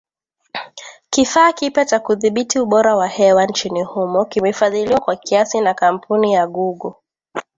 Kifaa kipya cha kudhibiti ubora wa hewa nchini humo kimefadhiliwa kwa kiasi na kampuni ya Gugo